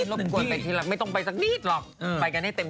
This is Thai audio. รบกวนไปที่รักไม่ต้องไปสักนิดหรอก